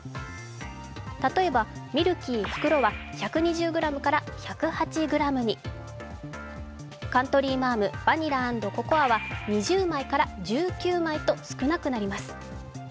例えばミルキー袋は１２０ｇから１０８ｇにカントリーマアム、バニラ＆ココアは２０枚から１９枚と少なくなります。